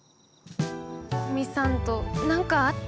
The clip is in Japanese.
古見さんと何かあった？